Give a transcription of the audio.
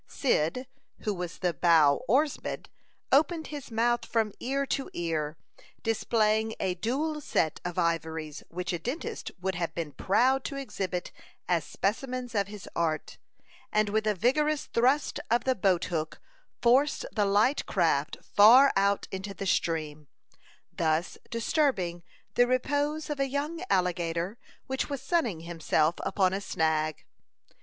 Cyd, who was the bow oarsman, opened his mouth from ear to ear, displaying a dual set of ivories which a dentist would have been proud to exhibit as specimens of his art, and with a vigorous thrust of the boat hook, forced the light craft far out into the stream, thus disturbing the repose of a young alligator which was sunning himself upon a snag.